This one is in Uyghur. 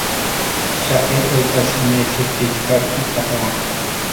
شائىر ئۆز ئەسىرىنى «تۈركىي كىتاب» دەپ ئاتىغان.